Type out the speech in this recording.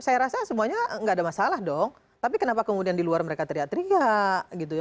saya rasa semuanya nggak ada masalah dong tapi kenapa kemudian di luar mereka teriak teriak gitu ya